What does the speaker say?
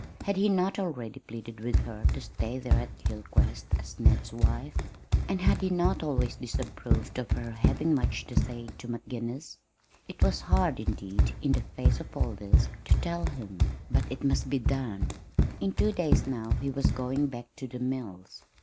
Had he not already pleaded with her to stay there at Hilcrest as Ned's wife? And had he not always disapproved of her having much to say to McGinnis? It was hard, indeed, in the face of all this, to tell him. But it must be done. In two days now he was going back to the mills.